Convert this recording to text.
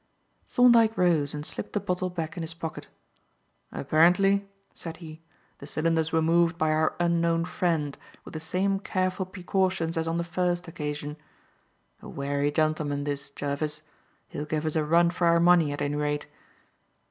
Thorndyke rose and slipped the bottle back in his pocket. "Apparently," said he, "the cylinders were moved by our unknown friend, with the same careful precautions as on the first occasion. A wary gentleman, this, Jervis. He'll give us a run for our money, at any rate."